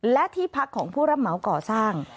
และที่พักของผู้รับเหมาก่อสร้าง